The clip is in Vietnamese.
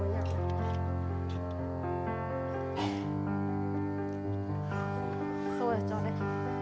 bánh bí đỏ chín